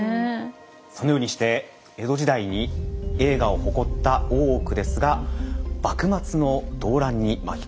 そのようにして江戸時代に栄華を誇った大奧ですが幕末の動乱に巻き込まれていきます。